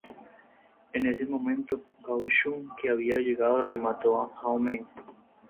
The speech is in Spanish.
En ese momento Gao Shun que había llegado remató a Hao Meng.